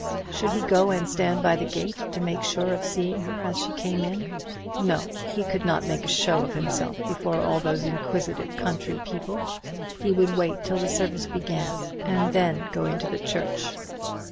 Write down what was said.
Should he go and stand by the gate, to make sure of seeing her as she came in? No, he could not make a show of himself before all those inquisitive country people; he would wait till the service began, and then go into the church.